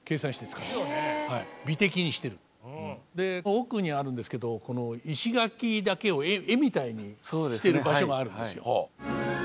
奥にあるんですけど石垣だけを絵みたいにしてる場所があるんですよ。